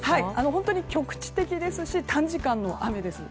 本当に局地的ですし短時間の雨です。